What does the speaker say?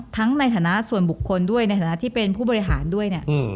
ในฐานะส่วนบุคคลด้วยในฐานะที่เป็นผู้บริหารด้วยเนี่ย